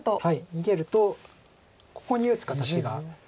逃げるとここに打つ形が。